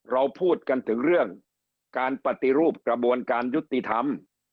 เราพูดกันถึงเรื่องการปฏิรูปกระบวนการยุติธรรม